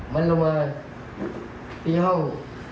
มันลงมาที่ห้อง